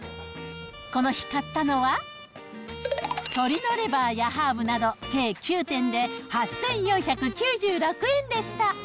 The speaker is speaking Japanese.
この日、買ったのは、鶏のレバーやハーブなど計９点で８４９６円でした。